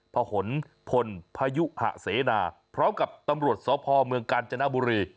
ผลพลพยุหะเสนาพร้อมกับตำรวจสพเมืองกาญจนบุรี